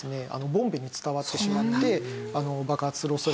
ボンベに伝わってしまって爆発する恐れがあります。